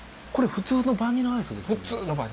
普通のバニラアイスです。